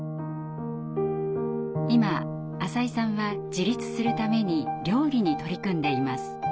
今浅井さんは自立するために料理に取り組んでいます。